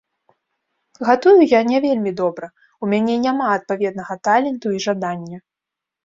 Гатую я не вельмі добра, у мяне няма адпаведнага таленту і жадання.